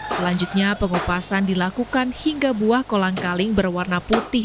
selanjutnya pengupasan dilakukan hingga buah kolang kaling berwarna putih